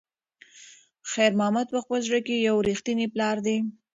خیر محمد په خپل زړه کې یو رښتینی پلار دی.